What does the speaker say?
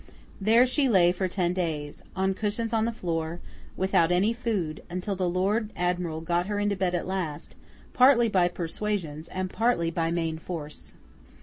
There she lay for ten days, on cushions on the floor, without any food, until the Lord Admiral got her into bed at last, partly by persuasions and partly by main force.